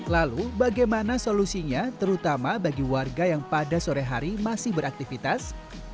lalu bagaimana solusinya terutama bagi warga yang pada sore hari masih beraktivitas